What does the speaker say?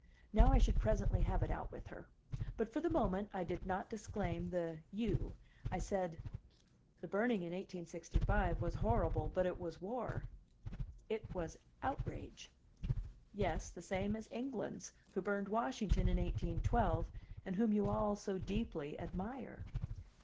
Now I should presently have it out with her. But, for the moment, I did not disclaim the "you." I said: "The burning in 1865 was horrible, but it was war." "It was outrage." "Yes, the same kind as England's, who burned Washington in 1812, and whom you all so deeply admire."